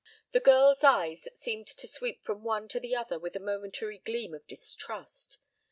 The girl's eyes seemed to sweep from one to the other with a momentary gleam of distrust.